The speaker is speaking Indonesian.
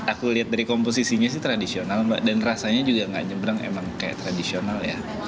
aku lihat dari komposisinya sih tradisional mbak dan rasanya juga gak nyebrang emang kayak tradisional ya